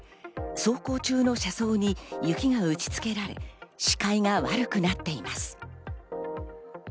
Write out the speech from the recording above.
走行中の車窓に雪が打ち付けられ、視界が悪くなっています。